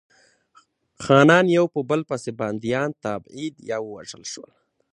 خانان یو په بل پسې بندیان، تبعید یا ووژل شول.